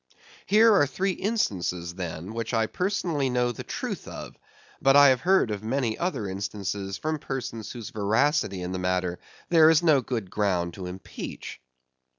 Here are three instances, then, which I personally know the truth of; but I have heard of many other instances from persons whose veracity in the matter there is no good ground to impeach.